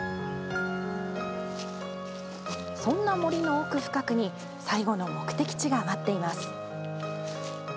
そんな森の奥深くに最後の目的地が待っています。